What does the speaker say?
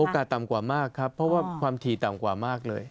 ต่ำกว่ามากครับเพราะว่าความถี่ต่ำกว่ามากเลย